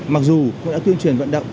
mặc dù cũng đã tuyên truyền vận động